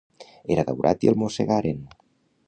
Era daurat i el mossegaren.